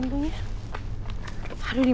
nah siapa ini